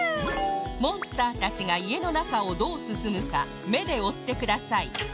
モンスターたちがいえのなかをどうすすむかめでおってください